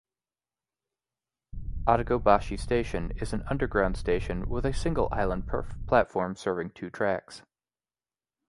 Atagobashi Station is an underground station with a single island platform serving two tracks.